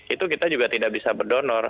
itu kita juga tidak bisa berdonor